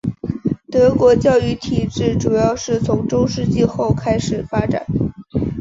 德国教育体制主要是从中世纪后开始发展。